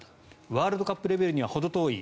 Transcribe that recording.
ワールドカップレベルにはほど遠い。